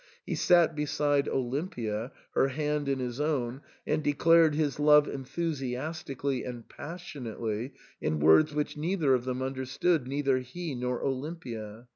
He sat beside Olimpia, her hand in his own, and declared his love enthusiastically and passionately in words which neither of them understood, neither he nor Olimpia.